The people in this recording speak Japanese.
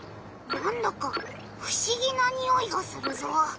なんだかふしぎなにおいがするぞ。